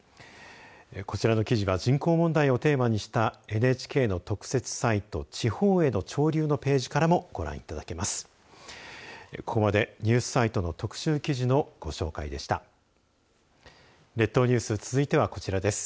こちらの記事は人口問題をテーマにしたＮＨＫの特設サイト、地方への潮流のページからもご覧いただけます。